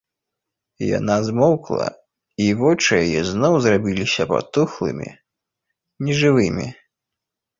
Яна змоўкла, і вочы яе зноў зрабіліся патухлымі, нежывымі.